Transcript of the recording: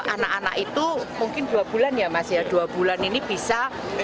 anak anak itu mungkin dua bulan ya mas ya dua bulan ini bisa